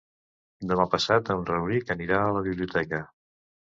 Demà passat en Rauric anirà a la biblioteca.